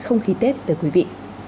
không khí tết tới quý vị